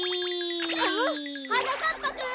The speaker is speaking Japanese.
ん？はなかっぱくん！